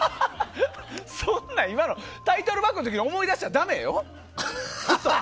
そんなん今のタイトルバックの時に思い出したらダメよ。